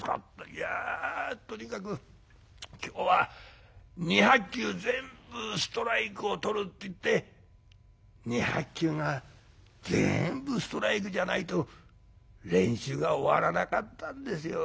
「いやとにかく今日は２００球全部ストライクをとるって言って２００球が全部ストライクじゃないと練習が終わらなかったんですよ。